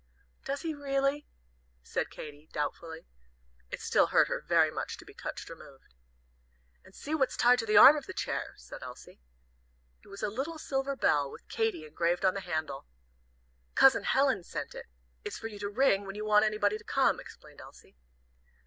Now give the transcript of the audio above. "Does he really?" said Katy, doubtfully. It still hurt her very much to be touched or moved. "And see what's tied to the arm of the chair," said Elsie. It was a little silver bell, with "Katy" engraved on the handle. "Cousin Helen sent it. It's for you to ring when you want anybody to come," explained Elsie.